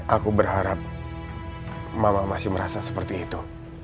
aku berharap mama masih merasa seperti itu